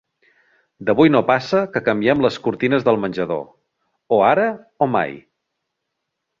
D'avui no passa que canviem les cortines del menjador. O ara o mai.